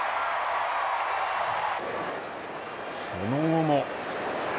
その後も。